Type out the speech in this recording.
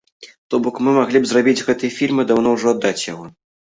То бок мы маглі б зрабіць гэты фільм і даўно ўжо аддаць яго.